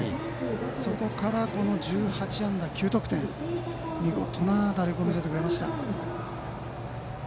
そこから、１８安打９得点は見事な打力を見せてくれました。